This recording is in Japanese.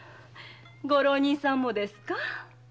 ご浪人さんもですか？